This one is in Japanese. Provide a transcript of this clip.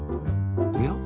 おや？